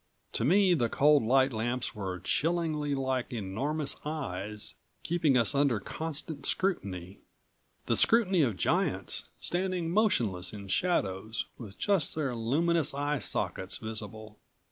To me the cold light lamps were chillingly like enormous eyes, keeping us under constant scrutiny. The scrutiny of giants, standing motionless in shadows, with just their luminous eye sockets visible.